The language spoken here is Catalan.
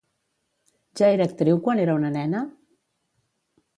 Ja era actriu quan era una nena?